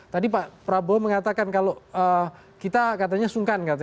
tadi pak prabowo mengatakan kalau kita katanya sungkan